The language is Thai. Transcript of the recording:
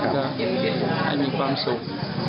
ก็ให้มีความสุข